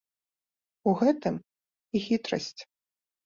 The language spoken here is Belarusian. У гэтым і хітрасць.